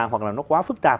hoặc là nó quá phức tạp